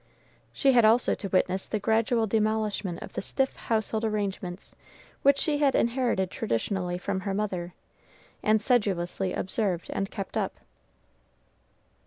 She had also to witness the gradual demolishment of the stiff household arrangements which she had inherited traditionally from her mother, and sedulously observed and kept up.